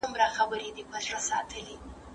زه اوږده وخت کتابونه لولم وم؟!